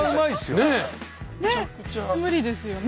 ねっ無理ですよね